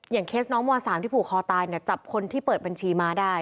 เคสน้องม๓ที่ผูกคอตายเนี่ยจับคนที่เปิดบัญชีม้าได้